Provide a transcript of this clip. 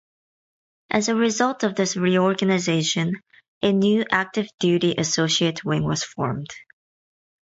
As a result of this reorganization, a new active duty associate wing was formed.